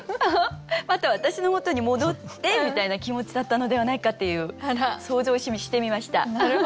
「また私のもとに戻って！」みたいな気持ちだったのではないかっていう想像をしてみました。